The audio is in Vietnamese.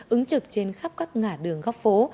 ứng trực trên khắp các ngã đường góc phố